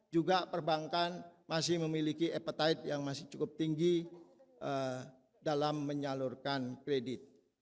juga perbankan masih memiliki appetite yang masih cukup tinggi dalam menyalurkan kredit